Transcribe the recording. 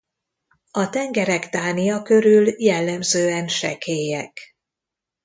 A tengerek Dánia körül jellemzően sekélyek.